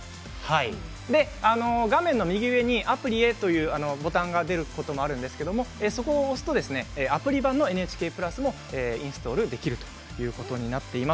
画面の右上にアプリへというボタンが出ることもありますが、そこを押すとアプリ版のＮＨＫプラスをインストールできるということになっています。